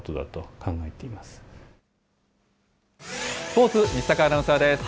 スポーツ、西阪アナウンサーです。